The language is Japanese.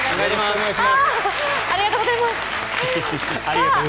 ありがとうございます。